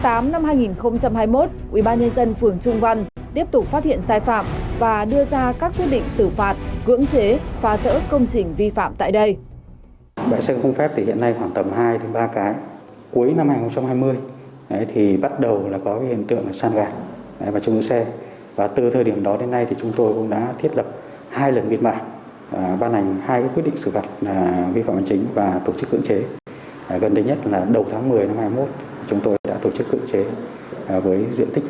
tháng tám năm hai nghìn hai mươi nguyễn việt hùng đã xử phạt vi phạm hành chính trong lĩnh vực đất đai